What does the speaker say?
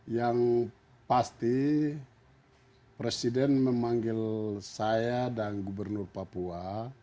yang pasti presiden memanggil saya dan gubernur papua